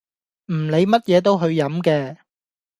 唔理乜嘢都去飲嘅